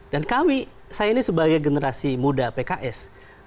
dan kami saya ini sebagai generasi muda pks